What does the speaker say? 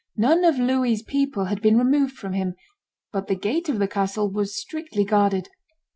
None of Louis's people had been removed from him; but the gate of the castle was strictly guarded.